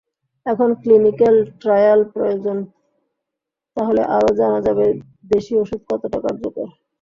এখন clinical trial প্রয়োজন, তাহলে আরও জানা যাবে দেশি ওষুধ কতটা কার্যকর।